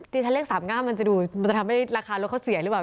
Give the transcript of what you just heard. ที่ฉันเลข๓๙มันจะดูมันจะทำให้ราคารถเขาเสียหรือเปล่า